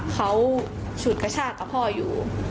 เขาฉุดกระชากกับพ่ออยู่